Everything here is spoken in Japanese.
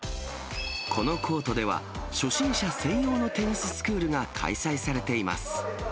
このコートでは、初心者専用のテニススクールが開催されています。